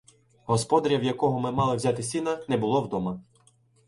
Господаря, в якого ми мали взяти сіна, не було вдома.